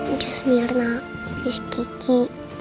udah udah rena miss kiki